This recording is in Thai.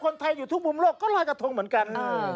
คนไทยอยู่ทุกมุมโลกก็ลอยกระทงเหมือนกัน